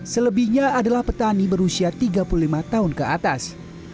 selebihnya adalah petani berusia tiga puluh lima tahun ke atas